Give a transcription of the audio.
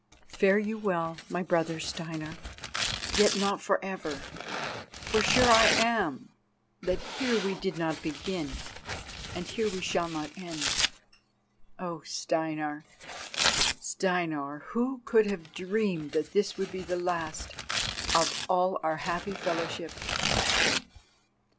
Fare you well, my brother Steinar, yet not for ever, for sure I am that here we did not begin and here we shall not end. Oh! Steinar, Steinar, who could have dreamed that this would be the last of all our happy fellowship?"